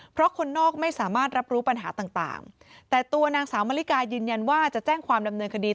เพราะคนนอกไม่สามารถรับรู้ปัญหาต่างแต่ตัวนางสาวมริกายืนยันว่าจะแจ้งความดำเนินคดี